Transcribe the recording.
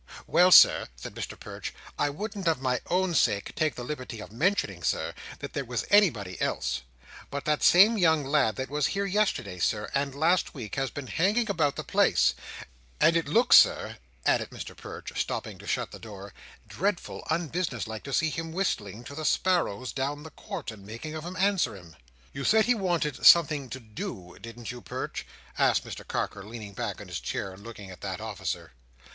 "Well, Sir," said Mr Perch, "I wouldn't of my own self take the liberty of mentioning, Sir, that there was anybody else; but that same young lad that was here yesterday, Sir, and last week, has been hanging about the place; and it looks, Sir," added Mr Perch, stopping to shut the door, "dreadful unbusiness like to see him whistling to the sparrows down the court, and making of 'em answer him." "You said he wanted something to do, didn't you, Perch?" asked Mr Carker, leaning back in his chair and looking at that officer.